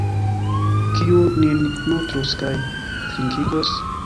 Kiu nin nutros kaj trinkigos?